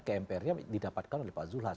ke mpr nya didapatkan oleh pak zulhas